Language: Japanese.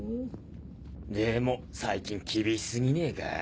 でも最近厳し過ぎねか？